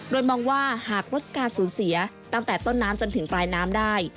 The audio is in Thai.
โดยมองว่าหากลดการสูญเสียตั้งแต่ต้นน้ำจนถึงปลายน้ำได้